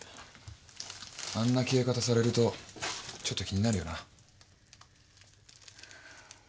あんな消え方されるとちょっと気になるよな。